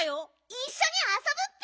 いっしょにあそぶッピ！